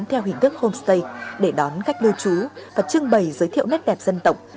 theo hình thức homestay để đón khách lưu trú và trưng bày giới thiệu nét đẹp dân tộc